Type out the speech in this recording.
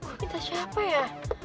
gue minta siapa ya